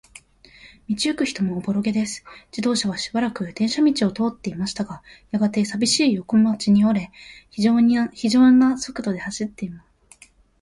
道ゆく人もおぼろげです。自動車はしばらく電車道を通っていましたが、やがて、さびしい横町に折れ、ひじょうな速力で走っています。